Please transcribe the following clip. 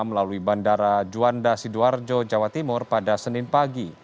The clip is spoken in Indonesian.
melalui bandara juanda sidoarjo jawa timur pada senin pagi